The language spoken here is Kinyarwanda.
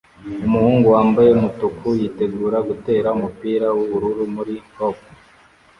Umuhungu wambaye umutuku yitegura gutera umupira wubururu muri hop